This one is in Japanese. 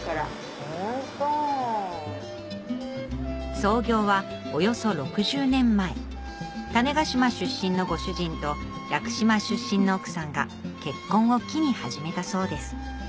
創業はおよそ６０年前種子島出身のご主人と屋久島出身の奥さんが結婚を機に始めたそうです